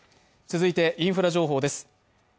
続いてインフラ情報です。